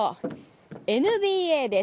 ＮＢＡです。